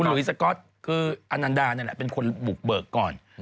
ลุยสก๊อตคืออนันดานี่แหละเป็นคนบุกเบิกก่อน